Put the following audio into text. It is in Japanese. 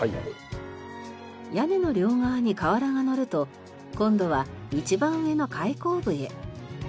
屋根の両側に瓦がのると今度は一番上の開口部へ。